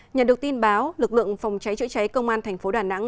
nhận được tin báo lực lượng phòng cháy chữa cháy công an thành phố đà nẵng